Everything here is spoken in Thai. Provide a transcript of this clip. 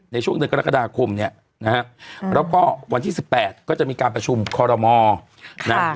ในช่วงเดือนกรกฎาคมเนี่ยนะฮะแล้วก็วันที่๑๘ก็จะมีการประชุมคอรมอนะ